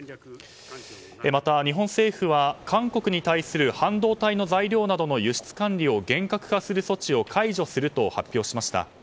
また、日本政府は韓国に対する半導体の材料などの輸出管理を厳格化する措置を解除すると発表しました。